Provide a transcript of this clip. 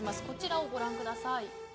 こちらをご覧ください。